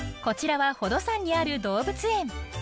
こちらは宝登山にある動物園。